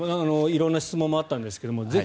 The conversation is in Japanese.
色んな質問もあったんですが。